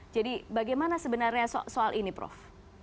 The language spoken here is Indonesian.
jadi bagaimana sebenarnya soal ini prof